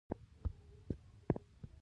دا چې تر ډېره درسره پاتې شوم بښنه غواړم.